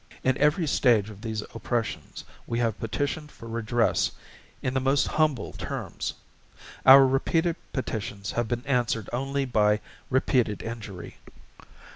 In every stage of these Oppressions We have Petitioned for Redress in the most humble terms: Our repeated Petitions have been answered only by repeated injury.